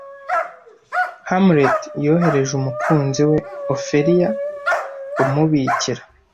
Hamlet yohereje umukunzi we Ophelia Umubikira